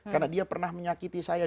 karena dia pernah menyakiti saya